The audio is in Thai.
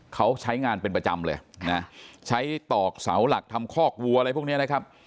เขาใช้งานเป็นประจำเลยนะใช้ตอกเสาหลักทำคอกวัวอะไรพวกนี้นะครับ